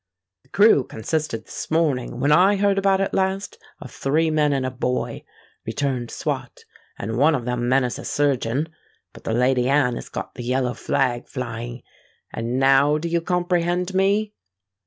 "The crew consisted this morning, when I heard about it last, of three men and a boy," returned Swot; "and one of them men is a surgeon. But the Lady Anne has got the yellow flag flying;—and now do you comprehend me?"